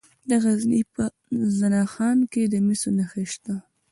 د غزني په زنه خان کې د مسو نښې شته.